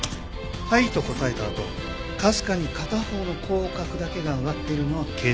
「はい」と答えたあとかすかに片方の口角だけが上がっているのは軽蔑。